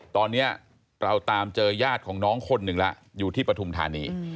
ตอนนี้เราตามเจอญาติของน้องคนหนึ่งแล้วอยู่ที่ปฐุมธานี